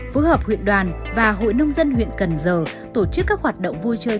phối hợp huyện đoàn và hội nông dân huyện cần giờ tổ chức các hoạt động vui chơi